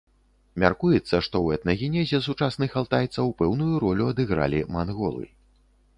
Мяркуецца, што ў этнагенезе сучасных алтайцаў пэўную ролю адыгралі манголы.